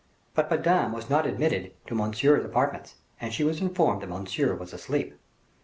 But Madame was not admitted to Monsieur's apartments, and she was informed that Monsieur was asleep.